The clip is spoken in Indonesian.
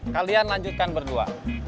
kalian lanjutkan berdua